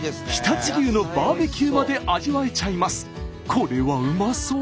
これはうまそう！